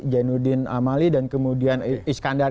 jainuddin amali dan kemudian iskandar